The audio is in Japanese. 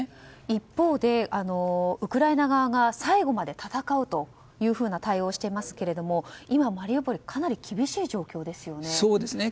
一方でウクライナ側が最後まで戦うというふうな対応をしていますけど今、マリウポリはかなり厳しい状況ですよね。